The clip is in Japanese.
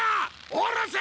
下ろせ！